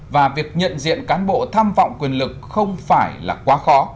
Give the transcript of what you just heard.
và việc nhận diện cán bộ tham vọng quyền lực không phải là quá khó